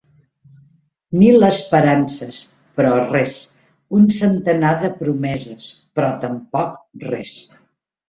Mil esperances, però res; un centenar de promeses, però tampoc res.